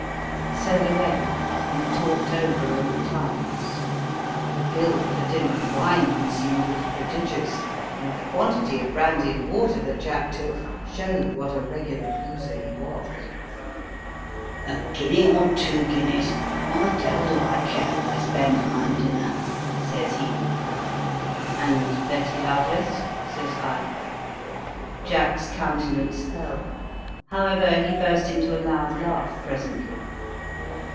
So we went and talked over old times. The bill for dinner and wine consumed was prodigious, and the quantity of brandy and water that Jack took showed what a regular boozer he was. 'A guinea or two guineas. What the devil do I care what I spend for my dinner?' says he. 'And Letty Lovelace?' says I. Jack's countenance fell. However, he burst into a loud laugh presently.